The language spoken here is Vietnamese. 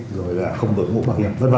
rồi là không được ngụ bảo hiểm v v